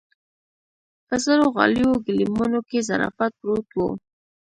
په زړو غاليو ګيلمانو کې ظرافت پروت و.